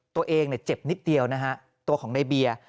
ตัวเองเจ็บนิดเดียวนะฮะตัวของในเบียร์